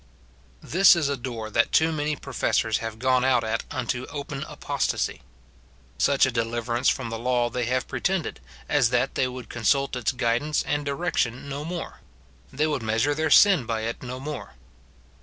This is a door that too many professors have gone out at unto open apostasy. Such a deliverance from the law they have pretended, as that they would consult its guidance and direction no more ; they would measure their sin by it no more.